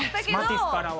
マティスからは。